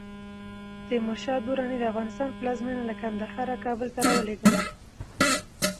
تیمور شاه دراني د افغانستان پلازمېنه له کندهاره کابل ته راولېږدوله.